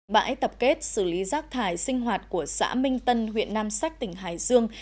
bãi tập kết xử lý rác thải sinh hoạt của xã minh tân huyện nam sách tỉnh hải dương